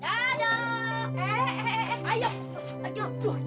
jadikan nyari pak